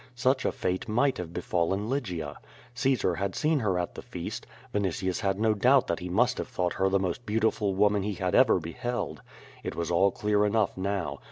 Such a fate might have befallen Lygia. Caesar had seen her at the feast. Vinitius had no doubt that he must have thought her the most beautiful woman he had ever beheld. It was all clear enough now.